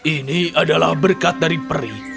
ini adalah berkat dari peri